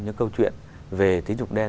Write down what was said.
những câu chuyện về tín dụng đen